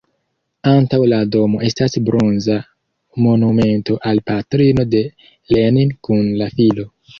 Antaŭ la domo estas bronza monumento al patrino de Lenin kun la filo.